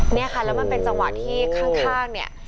เนี่ยค่ะแล้วมันเป็นจังหวะที่ข้างเนี่ย